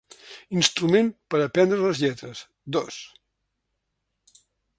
Instrument per aprendre les lletres; dos.